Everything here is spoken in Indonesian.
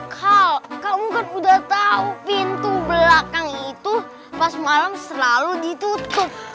kau kamu kan udah tahu pintu belakang itu pas malam selalu ditutup